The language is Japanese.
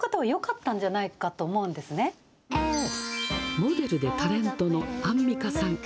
モデルでタレントのアンミカさん。